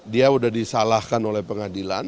dia sudah disalahkan oleh pengadilan